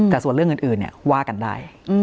แต่ส่วนเรื่องอื่นว่ากันได้